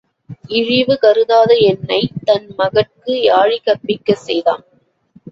இழிவு கருதாத என்னைத் தன் மகட்கு யாழ் கற்பிக்கச் செய்தான்.